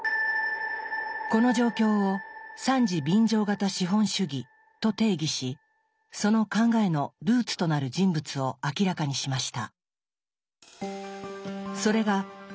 この状況を「惨事便乗型資本主義」と定義しその考えのルーツとなる人物を明らかにしました。